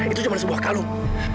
itu cuma sebuah kalung